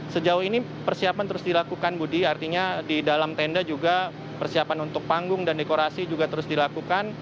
sejauh ini persiapan terus dilakukan budi artinya di dalam tenda juga persiapan untuk panggung dan dekorasi juga terus dilakukan